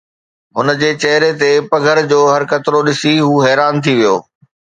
هن جي چهري تي پگهر جو هر قطرو ڏسي هو حيران ٿي ويو